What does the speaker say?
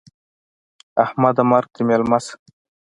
احمده! مرګ دې مېلمه سه.